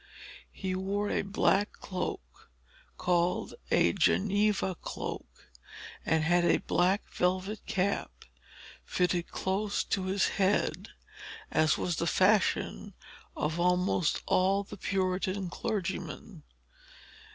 He wore a black cloak, called a Geneva cloak, and had a black velvet cap, fitting close to his head, as was the fashion of almost all the Puritan clergymen.